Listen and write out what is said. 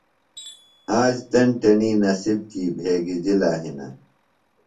آج تیݨ تیݨی نصِب کیۡ بھگِجلَہ ہِنہ۔